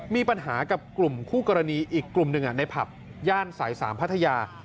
มีปัญหากับกลุ่มคู่กรณีอีกกลุ่มหนึ่งในผับย่านสาย๓พัทยา